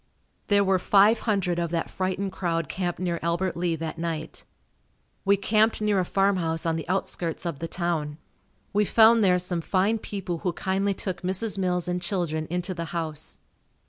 There were five hundred of that frightened crowd camped near Albert Lea that night. We camped near a farm house on the outskirts of the town. We found there some fine people who kindly took Mrs. Mills and children into the house.